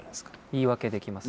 言い訳できますもんね。